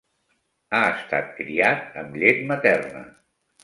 Ha estat criat amb llet materna.